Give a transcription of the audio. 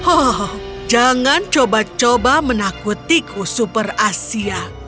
oh jangan coba coba menakutiku super asia